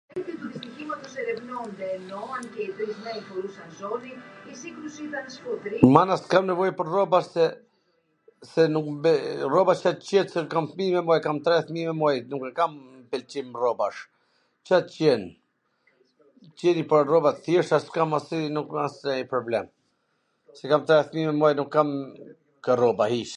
Mana s kam nevoj pwr rroba se ... rrobat s mw qesin .. se kam fmij, kam tre fmij.... nuk e kam pwlqim rrobash, ca t jen, sill njw pal rroba t thjeshta, nuk kam asnjw problem.